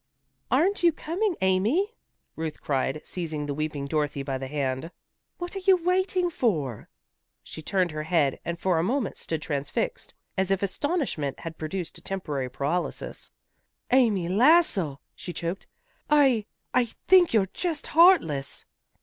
"Aren't you coming, Amy?" Ruth cried, seizing the weeping Dorothy by the hand. "What are you waiting for?" She turned her head, and for a moment stood transfixed, as if astonishment had produced a temporary paralysis. "Amy Lassell," she choked, "I I think you're just heartless."